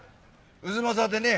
太秦でね